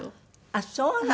あっそうなの。